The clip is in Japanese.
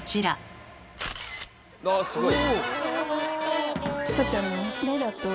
あすごい！